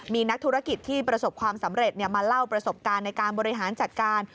มีนักธุรกิจที่ประสบความสำเร็จมาเล่าประสบการณ์ในการบริหารจัดการ